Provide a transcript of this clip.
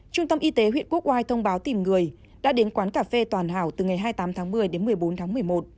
trung tâm y tế huyện quốc oai thông báo tìm người đã đến quán cà phê toàn hảo từ ngày hai mươi tám tháng một mươi đến một mươi bốn tháng một mươi một